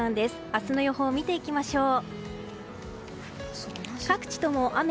明日の予報を見ていきましょう。